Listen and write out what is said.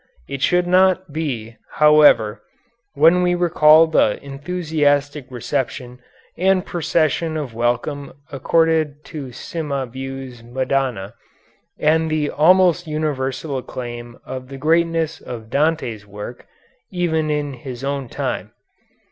It should not be, however, when we recall the enthusiastic reception and procession of welcome accorded to Cimabue's Madonna, and the almost universal acclaim of the greatness of Dante's work, even in his own time.